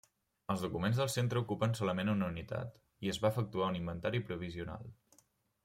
Els documents del Centre ocupen solament una unitat i es va efectuar un inventari provisional.